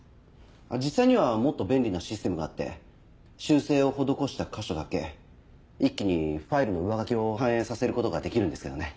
実際にはもっと便利なシステムがあって修正を施した箇所だけ一気にファイルの上書きを反映させることができるんですけどね。